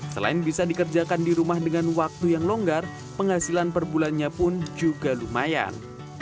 selain bisa dikerjakan di rumah dengan waktu yang longgar penghasilan per bulannya pun juga lumayan